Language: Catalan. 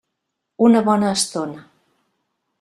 Una bona estona.